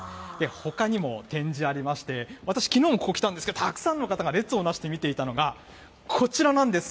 ほかにも展示がありまして、私、きのうもここ来たんですけど、たくさんの方が列をなして見ていたのがこちらなんです。